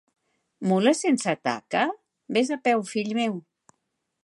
Mula sense taca? Ves a peu, fill meu!